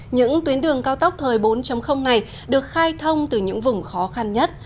những tuyến đường cao tốc thời bốn này được khai thông từ những vùng khó khăn nhất